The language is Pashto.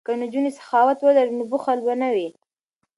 که نجونې سخاوت ولري نو بخل به نه وي.